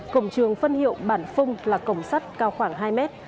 cổng trường phân hiệu bản phung là cổng sắt cao khoảng hai mét